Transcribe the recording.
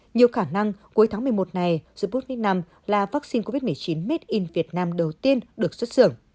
nhiều khả năng cuối tháng một mươi một này sputnik v là vaccine covid một mươi chín made in vietnam đầu tiên được xuất xưởng